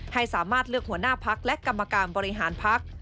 ให้สามารถเลือกหัวหน้าพักและกรรมการบริหารพัก